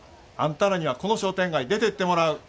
あんたらにはこの商店街出てってもらう。